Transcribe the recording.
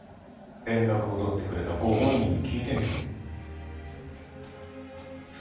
連絡を取ってくれたご本人に聞いてみろ。